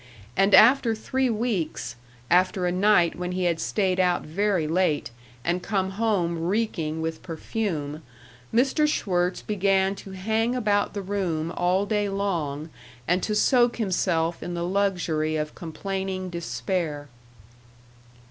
And after three weeks after a night when he had stayed out very late and come home reeking with perfume Mr. Schwirtz began to hang about the room all day long and to soak himself in the luxury of complaining despair.